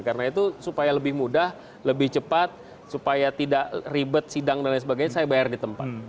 karena itu supaya lebih mudah lebih cepat supaya tidak ribet sidang dan lain sebagainya saya bayar di tempat